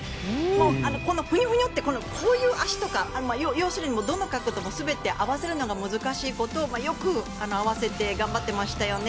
このふにょふにょとかこういう足とかどの角度も全て合わせるのが難しいことを、よく合わせて頑張っていましたよね。